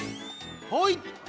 はい！